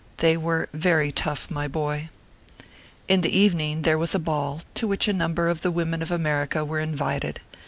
They were very tough, my boy. In the evening, there was a ball, to which a num ber of the women of America were invited.